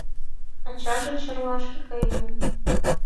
Ачаже Чарлашке каен.